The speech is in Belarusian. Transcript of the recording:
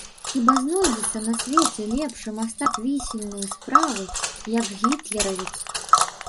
Хіба знойдзецца на свеце лепшы мастак вісельнай справы, як гітлеравец?